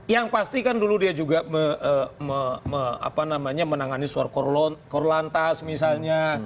yang pasti kan dulu dia juga menangani suara korlantas misalnya